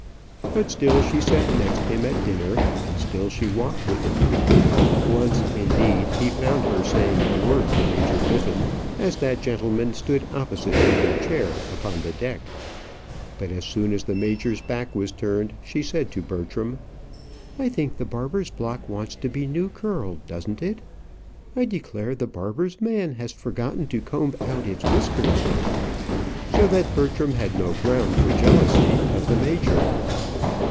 But still she sat next him at dinner, and still she walked with him. Once, indeed, he found her saying a word to Major Biffin, as that gentleman stood opposite to her chair upon the deck. But as soon as the major's back was turned, she said to Bertram, "I think the barber's block wants to be new curled, doesn't it? I declare the barber's man has forgotten to comb out it's whiskers." So that Bertram had no ground for jealousy of the major.